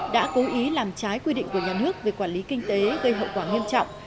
đã cố ý làm trái quy định của nhà nước về quản lý kinh tế gây hậu quả nghiêm trọng